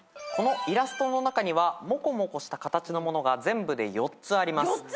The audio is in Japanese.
このイラストの中にはもこもこした形のものが全部で４つあります。